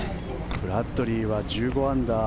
ブラッドリーは１５アンダー。